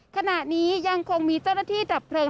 ขณะนี้ยังคงมีเจ้าหน้าที่ดับเพลิง